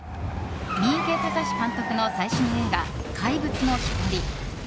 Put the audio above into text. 三池崇史監督の最新映画「怪物の木こり」。